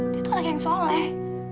dia tuh anak yang soleh